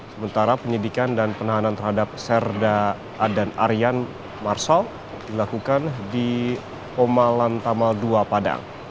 sementara penyidikan dan penahanan terhadap serda adan aryan marshal dilakukan di pemalan tamal dua padang